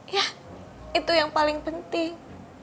ya itu yang paling penting